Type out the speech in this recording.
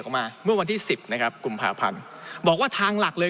เขามาเมื่อวันที่สิบนะครับกุมภาพันธ์บอกว่าทางหลักเลย